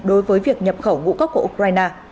đối với việc nhập khẩu ngũ cốc của ukraine